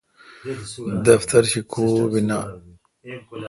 دفتر شی کوبی نان۔